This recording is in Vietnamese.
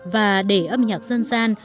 và để âm nhạc dân gian